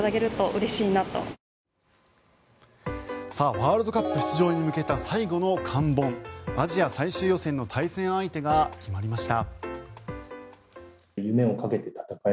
ワールドカップ出場に向けた最後の関門アジア最終予選の対戦相手が決まりました。